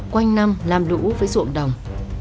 quanh năm làm lũ với ruộng đồng